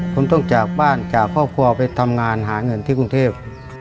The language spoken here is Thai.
ผมต้องจากบ้านจากครอบครัวไปทำงานหาเงินที่กรุงเทพ